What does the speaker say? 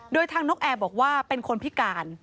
โดยทางนกแอร์บอกว่าเป็นคนพิการ